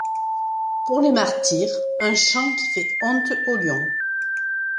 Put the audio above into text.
Pour les martyrs un chant qui fait honte aux lions ;